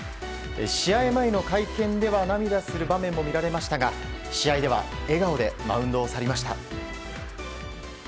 試合前の会見では涙する場面も見られましたが試合では笑顔でマウンドを去りました。